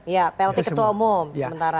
ya plt ketua umum sementara